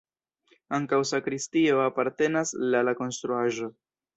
Ankaŭ sakristio apartenas la la konstruaĵo.